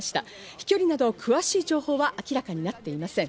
飛距離など詳しい情報は明らかになっていません。